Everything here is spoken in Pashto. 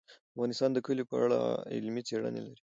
افغانستان د کلیو په اړه علمي څېړنې لري.